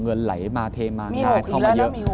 เงินไหลมาเทมางานเข้ามาเยอะ